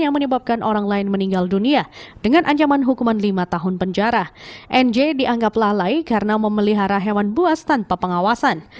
melihara hewan buas tanpa pengawasan